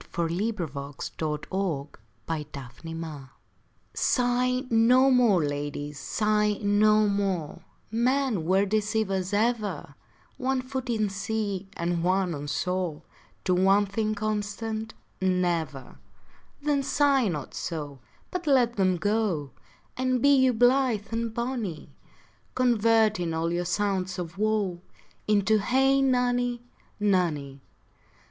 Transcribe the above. William Shakespeare Sigh no More Sigh no more, ladies, sigh no more, Men were deceivers ever; One foot in sea, and one on shore, To one thing constant never. Then sigh not so, But let them go, And be you blith and bonny, Converting all your sounds of woe Into Hey nonny, nonny.